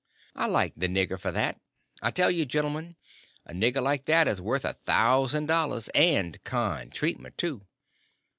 I liked the nigger for that; I tell you, gentlemen, a nigger like that is worth a thousand dollars—and kind treatment, too.